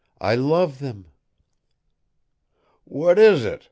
I love them.'" "What is it?"